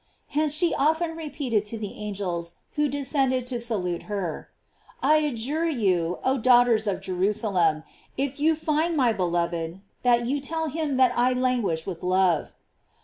Hence she often repeated to the angels who descended to salute her: "I adjure you, oh daughters of Jerusalem, if you find my beloved, that you tell him that I 490 GLORIES OP MARY. languish with love."